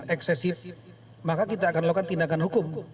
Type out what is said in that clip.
eksesif maka kita akan lakukan tindakan hukum